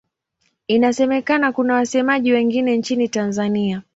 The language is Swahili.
Inasemekana kuna wasemaji wengine nchini Tanzania.